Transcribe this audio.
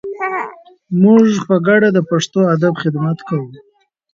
موږ په ګډه د پښتو ادب خدمت کوو.